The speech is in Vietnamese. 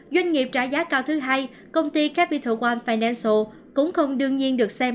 doanh nghiệp trả giá cao thứ hai công ty capital wal financial cũng không đương nhiên được xem